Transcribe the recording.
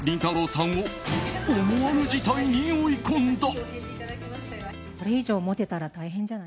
さんを思わぬ事態に追い込んだ。